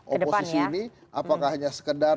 oposisi ini apakah hanya sekedar